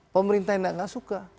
pemerintahan tidak suka